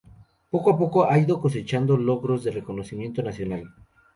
Poco a poco ha ido cosechando logros de reconocimiento nacional.